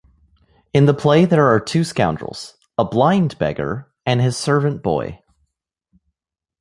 In the play there are two scoundrels, a "blind" beggar and his servant boy.